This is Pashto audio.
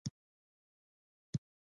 کورس د همفکره کسانو ټولنه ده.